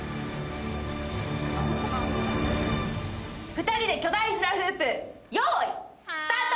２人で巨大フラフープ、ヨーイスタート！